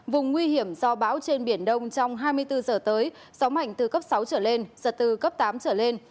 vùng nguy hiểm do bão trên biển đông trong hai mươi bốn giờ tới gió mạnh từ cấp sáu trở lên giật từ cấp tám trở lên